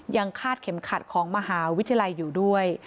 คาดเข็มขัดของมหาวิทยาลัยอยู่ด้วย